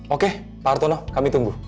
oke pak hartono kami tunggu